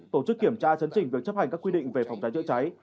tổ chức kiểm tra chấn trình việc chấp hành các quy định về phòng cháy chữa cháy